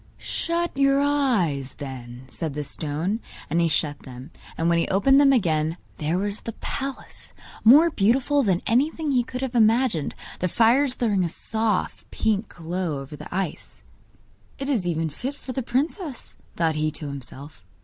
'Shut your eyes, then,' said the stone; and he shut them, and when he opened them again there was the palace, more beautiful than anything he could have imagined, the fires throwing a soft pink glow over the ice. 'It is fit even for the princess,' thought he to himself.